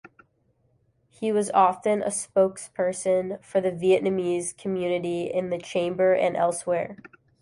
He was often a spokesperson for the Vietnamese community in the chamber and elsewhere.